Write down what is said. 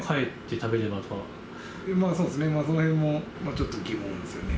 そうですね、そのへんもちょっと疑問ですよね。